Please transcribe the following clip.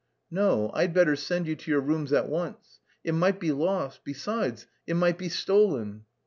"No, I'd better send to your rooms at once. It might be lost; besides, it might be stolen."